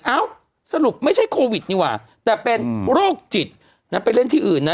เอ้าสรุปไม่ใช่โควิดดีกว่าแต่เป็นโรคจิตนะไปเล่นที่อื่นนะ